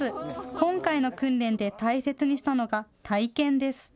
今回の訓練で大切にしたのが体験です。